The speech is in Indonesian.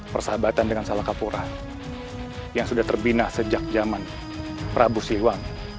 persahabatan dengan salangkapura yang sudah terbina sejak zaman prabu siwang